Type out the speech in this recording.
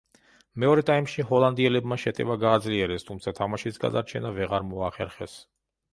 მეორე ტაიმში ჰოლანდიელებმა შეტევა გააძლიერეს, თუმცა თამაშის გადარჩენა ვეღარ მოახერხეს.